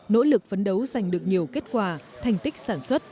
nỗ lực phấn đấu giành được nhiều kết quả thành tích sản xuất